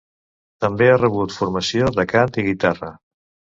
També ha rebut formació de cant i guitarra.